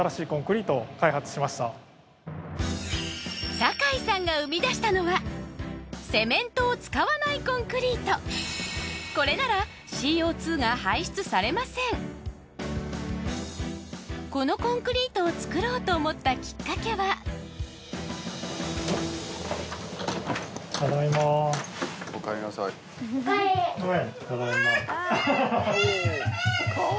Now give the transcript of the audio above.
酒井さんが生み出したのはこれならこのコンクリートを作ろうと思ったきっかけはただいま・おかえりはいただいまアハハハ